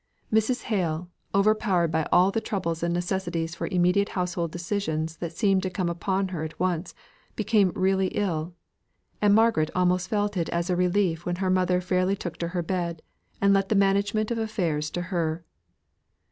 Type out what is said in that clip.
Mrs. Hale, overpowered by all the troubles and necessities for immediate household decisions that seemed to come upon her at once, became really ill, and Margaret almost felt it as a relief when her mother fairly took to her bed, and left the management of affairs to her.